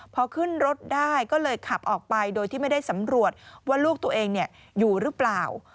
พอขึ้นรถได้ก็เลยขับออกไปโดยที่ไม่ได้สำรวจว่าลูกตัวเองอยู่หรือเปล่า